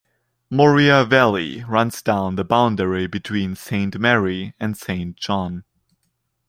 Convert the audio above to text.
Mourier Valley runs down the boundary between Saint Mary and Saint John.